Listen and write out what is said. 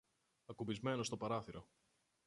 ακουμπισμένο στο παράθυρο